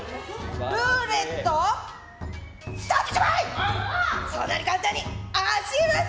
ルーレットスタートしない！